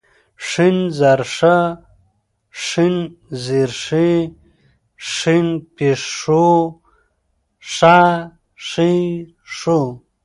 ښ زر ښا، ښېن زير ښې ، ښين پيښ ښو ، ښا ښې ښو